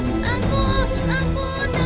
jangan makan anak saya